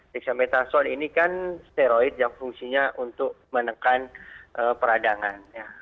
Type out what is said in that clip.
dexamethasone ini kan steroid yang fungsinya untuk menekan peradangan